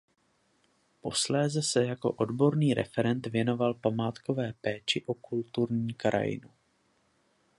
Posléze se jako odborný referent věnoval památkové péči o kulturní krajinu.